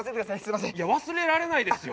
いや忘れられないですよ。